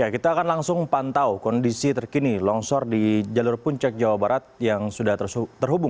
kita akan langsung pantau kondisi terkini longsor di jalur puncak jawa barat yang sudah terhubung